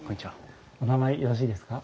お名前よろしいですか？